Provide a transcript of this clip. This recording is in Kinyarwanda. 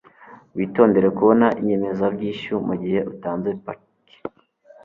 witondere kubona inyemezabwishyu mugihe utanze paki